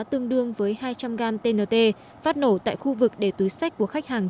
tương đương với hai trăm linh gram tnt phát nổ tại khu vực để túi sách của khách hàng